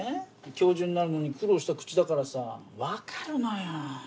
教授になるのに苦労したクチだからさ分かるのよ。